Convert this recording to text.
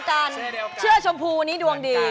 เสื้อเดียวกันชมพูนี้ดวงดี